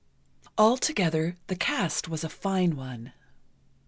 Altogether, the cast was a fine one.